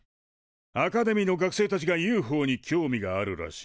アカデミーの学生たちがＵＦＯに興味があるらしい。